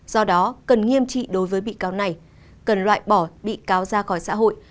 do đó cần nghiêm trị đối với bị cáo này cần loại bỏ bị cáo ra khỏi xã hội